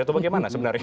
itu bagaimana sebenarnya